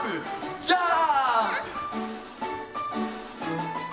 ジャーンプ！